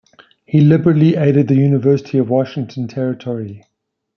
He liberally aided the University of Washington Territory.